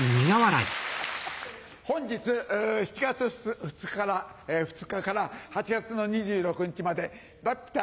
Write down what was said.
本日７月２日から８月の２６日までラピュタ